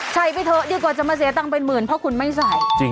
ไปเถอะดีกว่าจะมาเสียตังค์เป็นหมื่นเพราะคุณไม่ใส่